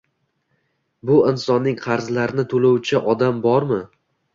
Bu insonning qarzlarini toʻlovchi odam bormi?